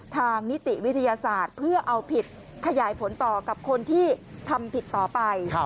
นิติวิทยาศาสตร์เพื่อเอาผิดขยายผลต่อกับคนที่ทำผิดต่อไป